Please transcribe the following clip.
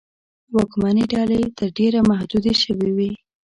واکمنې ډلې تر ډېره محدودې شوې وې.